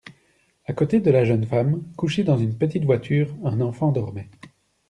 A côté de la jeune femme, couché dans une petite voiture, un enfant dormait.